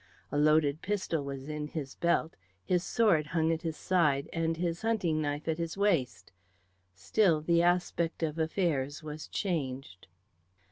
A loaded pistol was in his belt, his sword hung at his side, and his hunting knife at his waist. Still the aspect of affairs was changed.